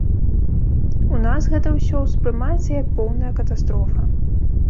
У нас гэта ўсё ўспрымаецца як поўная катастрофа.